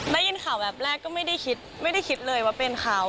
ได้ยินข่าวแบบแรกก็ไม่ได้คิดไม่ได้คิดเลยว่าเป็นเขา